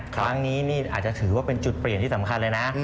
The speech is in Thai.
ครั้งนี้นี่อาจจะถือว่าเป็นจุดเปลี่ยนที่สำคัญเลยนะ